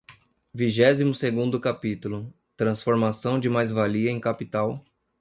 Vigésimo segundo capítulo. Transformação de mais-valia em capital